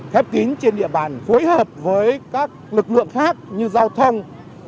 khép kín trên địa bàn phối hợp với các lực lượng khác như giao thông một trăm một mươi ba